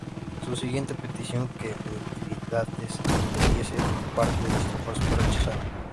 Su siguiente petición, que Mitrídates le diese parte de sus tropas, fue rechazada.